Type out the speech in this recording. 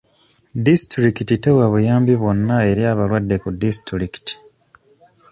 Disitulikiti tewa buyambi bwonna eri abalwadde ku disitulikiti.